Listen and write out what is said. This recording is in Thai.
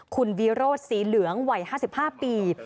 คุณวิโรธสีเหลืองวัย๕๕ปี